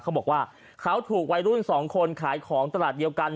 เขาบอกว่าเขาถูกวัยรุ่น๒คนขายของตลาดเดียวกัน